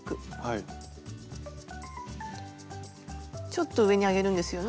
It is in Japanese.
ちょっと上に上げるんですよね。